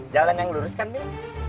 jalan yang lurus kan mir